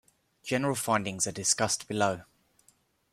General findings are discussed below.